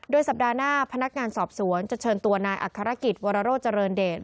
สัปดาห์หน้าพนักงานสอบสวนจะเชิญตัวนายอัครกิจวรโรเจริญเดช